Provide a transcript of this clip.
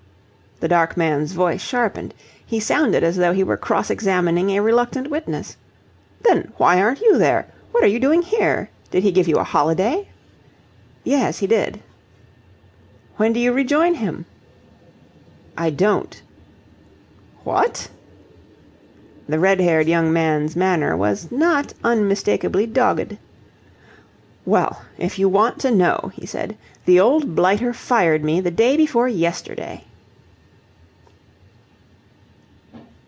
The dark man's voice sharpened. He sounded as though he were cross examining a reluctant witness. "Then why aren't you there? What are you doing here? Did he give you a holiday?" "Yes, he did." "When do you rejoin him?" "I don't." "What!" The red haired young man's manner was not unmistakably dogged. "Well, if you want to know," he said, "the old blighter fired me the day before yesterday."